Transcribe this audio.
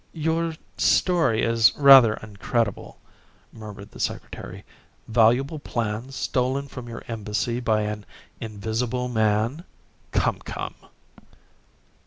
"Your story is rather incredible," murmured the Secretary. "Valuable plans stolen from your Embassy by an invisible man? Come, come!"